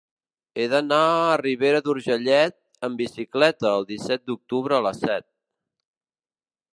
He d'anar a Ribera d'Urgellet amb bicicleta el disset d'octubre a les set.